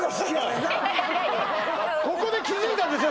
ここで気づいたんですね